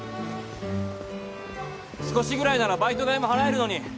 少しぐらいならバイト代も払えるのに。